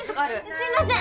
すいません！